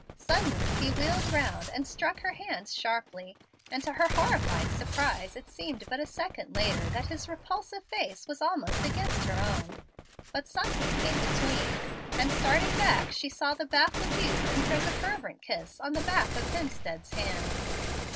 Suddenly he wheeled round and struck her hands sharply; and to her horrified surprise it seemed but a second later that his repulsive face was almost against her own. But something came between, and, starting back, she saw the baffled youth imprint a fervent kiss on the back of Hemstead's hand.